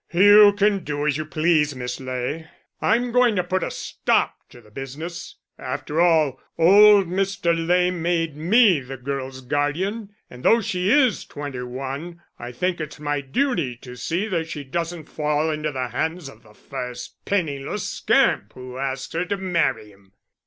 "You can do as you please, Miss Ley; I'm going to put a stop to the business. After all, old Mr. Ley made me the girl's guardian, and though she is twenty one I think it's my duty to see that she doesn't fall into the hands of the first penniless scamp who asks her to marry him."